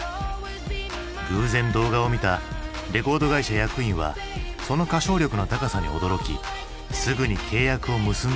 偶然動画を見たレコード会社役員はその歌唱力の高さに驚きすぐに契約を結んだのだった。